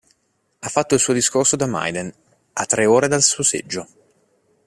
Ha fatto il suo discorso da Maiden, a tre ore dal suo seggio.